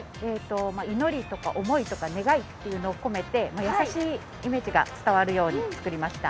祈りとか思いとか願いという意味を込めて優しいイメージが伝わるように作りました。